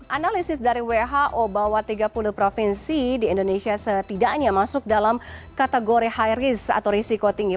analisis dari who bahwa tiga puluh provinsi di indonesia setidaknya masuk dalam kategori high risk atau risiko tinggi